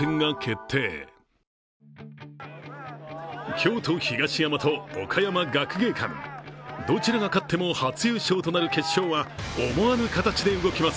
京都・東山と岡山学芸館、どちらが勝っても初優勝となる決勝は思わぬ形で動きます。